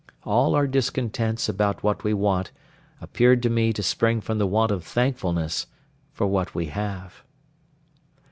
All our discontents about what we want appeared to me to spring from the want of thankfulness for what we have.